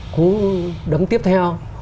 cứ đấm tiếp theo